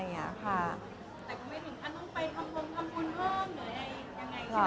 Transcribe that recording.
แต่คุณมีถึงท่านต้องไปทำคงทำคุณเพิ่มหรือยังไงใช่ไหม